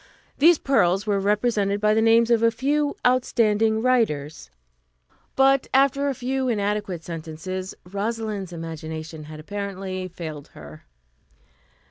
These pearls were represented by the names of a few outstanding writers, but after a few inadequate sentences Rosalind's imagination had apparently failed her.